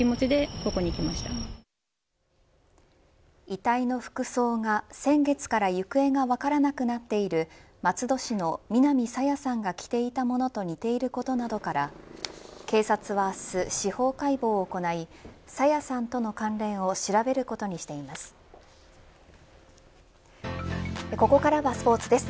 遺体の服装が先月から行方が分からなくなっている松戸市の南朝芽さんが着ていたものと似ていることなどから警察は明日、司法解剖を行い朝芽さんとの関連を調べることにしています。